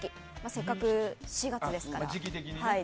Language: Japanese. せっかく４月ですから。